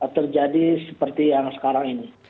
terjadi seperti yang sekarang ini